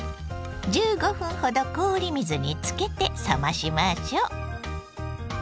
１５分ほど氷水につけて冷ましましょう。